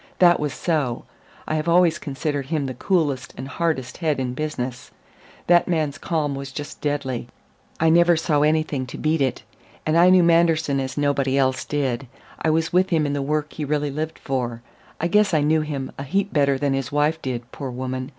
That was so. I have always considered him the coolest and hardest head in business. That man's calm was just deadly I never saw anything to beat it. And I knew Manderson as nobody else did. I was with him in the work he really lived for. I guess I knew him a heap better than his wife did, poor woman.